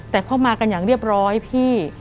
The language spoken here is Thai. แต่พอมากันอย่างเรียบร้อยพี่